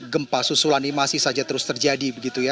gempa susulan ini masih saja terus terjadi